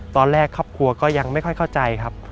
ตอนแรกครอบครัวก็ยังไม่ค่อยเข้าใจครับ